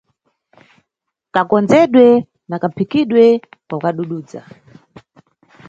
Kakondzedwe na kaphikidwe kwa kadududza.